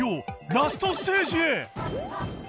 ラストステージへ！